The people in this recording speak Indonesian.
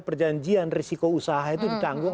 perjanjian risiko usaha itu ditanggung